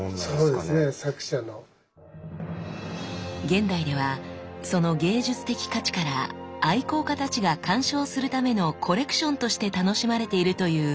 現代ではその芸術的価値から愛好家たちが観賞するためのコレクションとして楽しまれているという鐔。